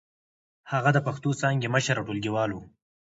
هغه د پښتو څانګې مشر او ټولګيوال و.